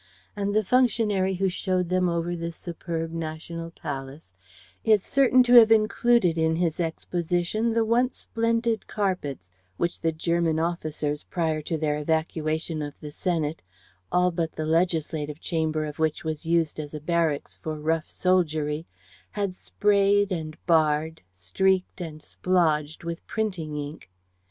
And the functionary who showed them over this superb national palace is certain to have included in his exposition the once splendid carpets which the German officers prior to their evacuation of the Senate all but the legislative chamber of which was used as a barracks for rough soldiery had sprayed and barred, streaked and splodged with printing ink.